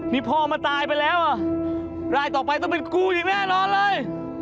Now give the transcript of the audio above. นี่พ่อมาตายไปแล้วอ่ะรายต่อไปต้องเป็นกู้อีกแน่นอนเลย